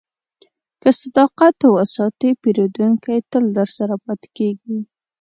که صداقت وساتې، پیرودونکی تل درسره پاتې کېږي.